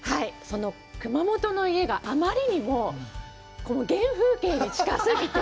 その熊本の家があまりにも原風景に近すぎて。